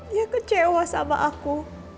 dia kecewa sama aku